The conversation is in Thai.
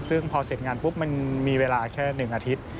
ซึ่งพอเสร็จงานปุ๊บมันมีเวลาแค่๑อาทิตย์